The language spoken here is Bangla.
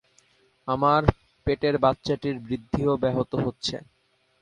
আমার পেতের বাচ্চাটির বৃদ্ধিও ব্যাহত হচ্ছে।